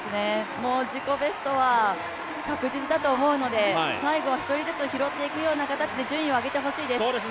自己ベストは確実だと思うので最後は１人ずつ拾っていくような形で順位を上げてほしいです。